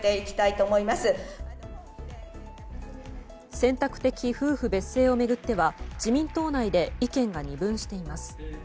選択的夫婦別姓を巡っては自民党内で意見が二分しています。